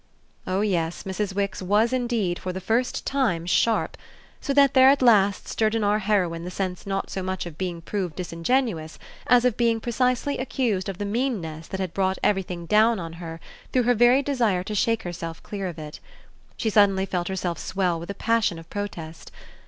Oh yes, Mrs. Wix was indeed, for the first time, sharp; so that there at last stirred in our heroine the sense not so much of being proved disingenuous as of being precisely accused of the meanness that had brought everything down on her through her very desire to shake herself clear of it. She suddenly felt herself swell with a passion of protest.